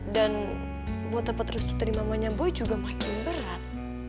dan buat dapet restu terima mamanya boy juga makin berat